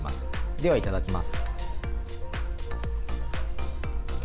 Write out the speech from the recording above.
ではいただきます。